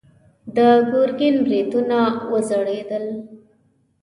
د ګرګين برېتونه وځړېدل.